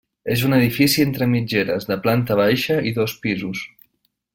És un edifici entre mitgeres, de planta baixa i dos pisos.